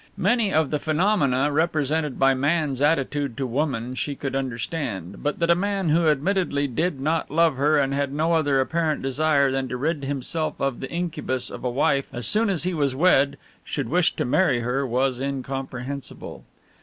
Many of the phenomena represented by man's attitude to woman she could understand, but that a man who admittedly did not love her and had no other apparent desire than to rid himself of the incubus of a wife as soon as he was wed, should wish to marry her was incomprehensible.